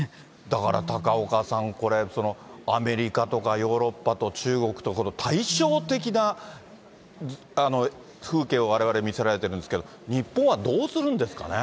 だから、高岡さん、これ、アメリカとかヨーロッパと中国とこの対照的な風景をわれわれ、見せられてるんですけど、日本はどうするんですかね。